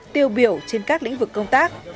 tiêu biểu trên các lĩnh vực công tác